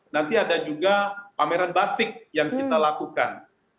nanti ada juga pameran batik yang kita lakukan